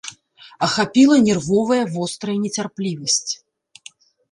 Ахапіла нервовая вострая нецярплівасць.